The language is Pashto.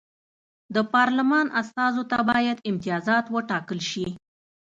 د پارلمان استازو ته باید امتیازات وټاکل شي.